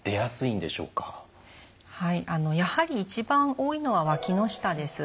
やはり一番多いのはわきの下です。